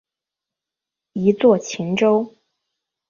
一作晴州。